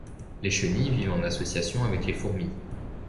Les chenilles vivent en association avec les fourmis.